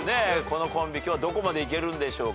このコンビ今日はどこまでいけるんでしょうか。